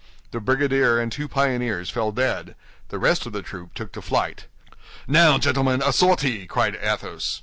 The brigadier and two pioneers fell dead; the rest of the troop took to flight. "Now, gentlemen, a sortie!" cried Athos.